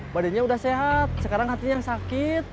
badannya udah sehat sekarang hatinya yang sakit